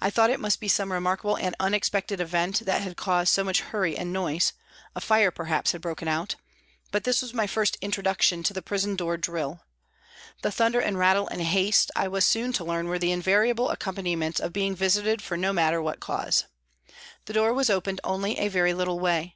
I thought it must be some remarkable and unexpected event that had caused so much hurry and noise, a fire perhaps had broken out, but this was my first introduction to the prison door drill ; the thunder and rattle and haste I was soon to learn were the invariable accompaniments of being visited for no matter what cause. The door was opened only a very little way.